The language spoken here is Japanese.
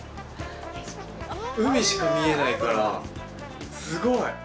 海しか見えないから、すごい。